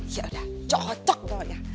yaudah cocok dong ya